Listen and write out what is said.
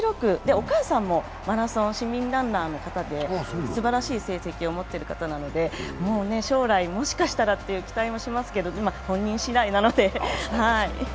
お母さんもマラソン、市民ランナーの方で、すばらしい成績を持っている方なので将来もしかしたらという期待もしますけど、本人しだいなので。